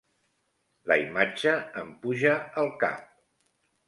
La imatge em puja al cap.